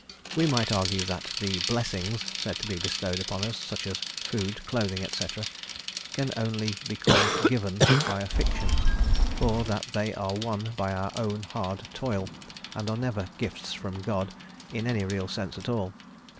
We might argue that the "blessings" said to be bestowed upon us, such as food, clothing, &c, can only be called "given" by a fiction, for that they are won by our own hard toil, and are never "gifts from God" in any real sense at all.